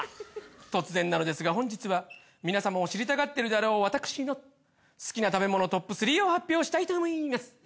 突然なのですが本日は皆様も知りたがっているであろう私の好きな食べ物トップ３を発表したいと思います。